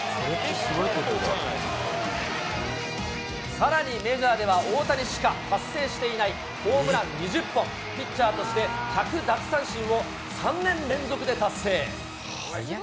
さらにメジャーでは大谷しか達成していないホームラン２０本、ピッチャーとして１００奪三振を３年連続で達成。